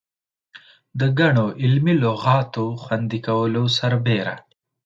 د ګڼو علمي لغاتو خوندي کولو سربېره.